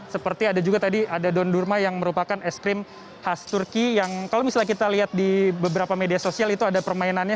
seperti ada juga tadi ada don durma yang merupakan es krim khas turki yang kalau misalnya kita lihat di beberapa media sosial itu ada permainannya